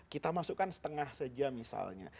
kita masukkan setengah saja misalnya